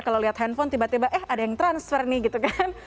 kalau lihat handphone tiba tiba eh ada yang transfer nih gitu kan